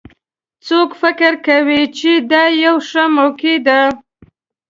څوک فکر کوي چې دا یوه ښه موقع ده